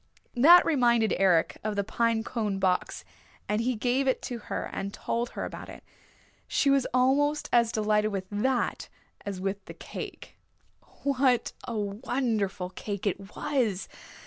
That reminded Eric of the pine cone box and he gave it to her and told her about it. She was almost as delighted with that as with the cake. What a wonderful cake it was!